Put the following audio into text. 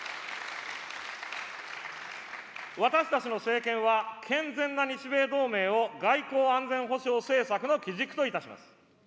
私たちの政権は、健全な日米同盟を外交・安全保障政策の基軸といたします。